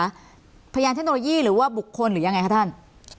พยานเทคโนโลยีหรือว่าบุคคลหรือยังไงคะท่าน